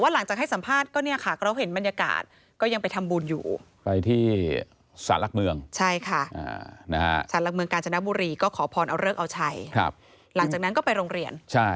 หลังจากนั้นก็ไปโรงเรียน